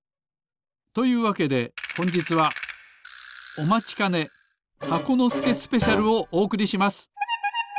というわけでほんじつはおまちかね「箱のすけスペシャル」をおおくりします。